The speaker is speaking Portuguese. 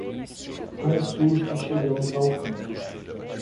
Com o susto chegamos ao campo.